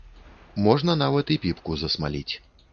Можна нават і піпку засмаліць.